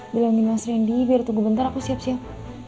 bilangin mas randy biar tunggu bentar aku siap siap